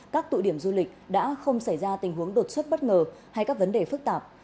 các tụi điểm du lịch đã không xảy ra tình huống đột xuất bất ngờ hay các vấn đề phức tạp